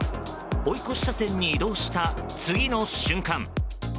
追い越し車線に移動した次の瞬間。